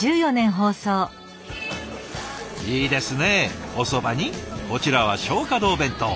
いいですねおそばにこちらは松花堂弁当。